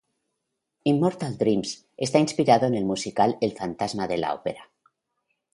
Immortal Dreams está inspirado en el musical El fantasma de la ópera.